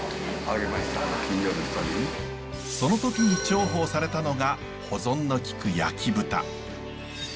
その時に重宝されたのが保存のきく焼き豚。